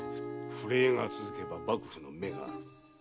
不例が続けば幕府の目がある。